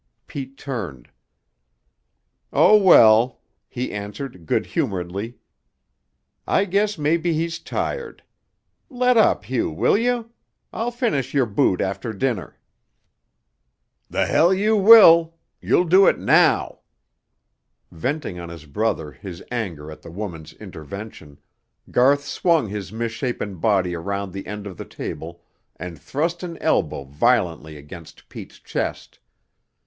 Pete turned. "Oh, well," he answered good humoredly, "I guess maybe he's tired. Let up, Hugh, will you? I'll finish your boot after dinner." "The hell you will! You'll do it now!" Venting on his brother his anger at the woman's intervention, Garth swung his misshapen body around the end of the table and thrust an elbow violently against Pete's chest.